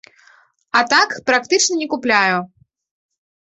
А так практычна не купляю.